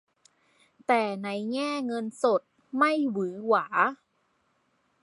แต่ในแง่เงินสดไม่หวือหวา